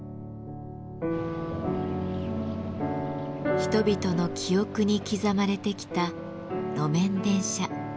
人々の記憶に刻まれてきた路面電車。